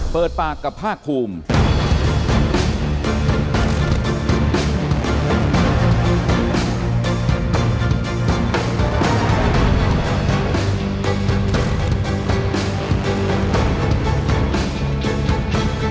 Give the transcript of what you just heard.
เปิดปากกับภาคภูมิ